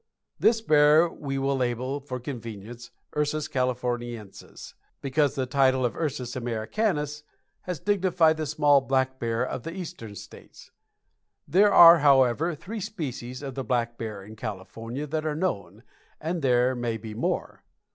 _ This bear we will label for convenience Ursus Californiensis, because the title of Ursus Americanus has dignified the small black bear of the Eastern states. There are, however, three species of the black bear in California that are known, and there may be more.